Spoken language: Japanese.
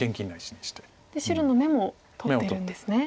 白の眼も取ってるんですね。